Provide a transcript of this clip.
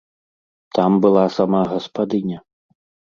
Там была сама гаспадыня.